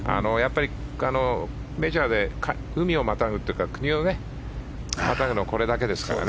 メジャーで海をまたぐというか国をまたぐのはこれだけですからね。